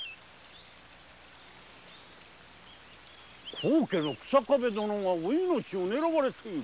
高家の日下部殿がお命をねらわれている？